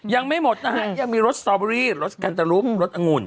ยังไม่หมดนะฮะยังมีรสสอร์เบอรี่รสกันตะลุ้มรสอังหุ่น